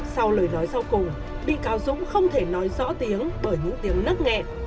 sau lời nói sau cùng bị cáo dũng không thể nói rõ tiếng bởi những tiếng nấc nhẹ